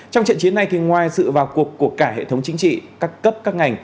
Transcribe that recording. trong trận chiến này ngoài sự vào cuộc của cả hệ thống chính trị các cấp các ngành